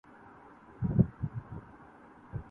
اس قسم کی قتل وغارت کے حوالے سے دو ہی کیمپ ہوتے ہیں۔